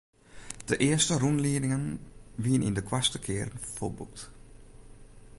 De earste rûnliedingen wiene yn de koartste kearen folboekt.